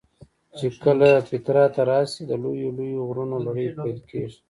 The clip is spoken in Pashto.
چې کله پیترا ته راشې د لویو لویو غرونو لړۍ پیل کېږي.